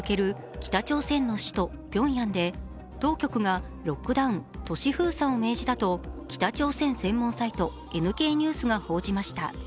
北朝鮮の首都ピョンヤンで当局がロックダウン＝都市封鎖を命じたと北朝鮮専門サイト、ＮＫニュースが報じました。